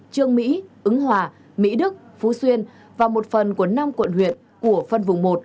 trương mỹ ứng hòa mỹ đức phú xuyên và một phần của năm quận huyện của phân vùng một